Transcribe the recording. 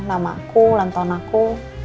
nama aku ulang tahun aku